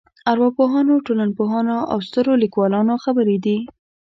ارواپوهانو ټولنپوهانو او سترو لیکوالانو خبرې دي.